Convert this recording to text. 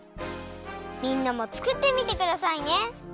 みんなもつくってみてくださいね！